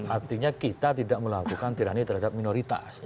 artinya kita tidak melakukan tirani terhadap minoritas